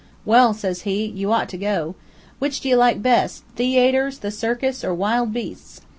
'Well,' says he, 'you ought to go. Which do you like best, the the ay ter, the cir cus, or wild beasts?'